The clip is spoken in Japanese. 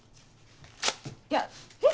いやえっ？